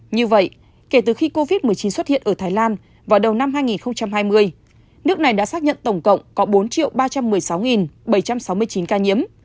như vậy kể từ khi covid một mươi chín xuất hiện ở thái lan vào đầu năm hai nghìn hai mươi nước này đã xác nhận tổng cộng có bốn ba trăm một mươi sáu bảy trăm sáu mươi chín ca nhiễm